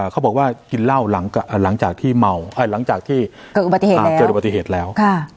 เขาบอกว่ากินเหล้าหลังจากที่เกิดอุบัติเหตุแล้ว